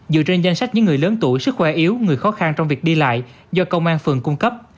dựa trên danh sách những người lớn tuổi sức khỏe yếu người khó khăn trong việc đi lại do công an phường cung cấp